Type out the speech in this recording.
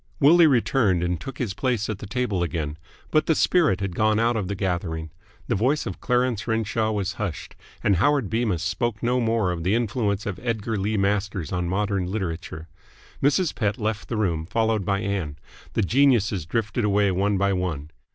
Willie returned and took his place at the table again. But the spirit had gone out of the gathering. The voice of Clarence Renshaw was hushed, and Howard Bemis spoke no more of the influence of Edgar Lee Masters on modern literature. Mrs. Pett left the room, followed by Ann. The geniuses drifted away one by one.